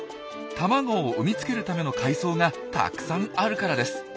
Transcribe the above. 卵を産み付けるための海藻がたくさんあるからです。